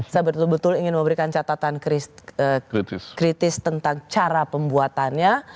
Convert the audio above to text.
saya betul betul ingin memberikan catatan kritis tentang cara pembuatannya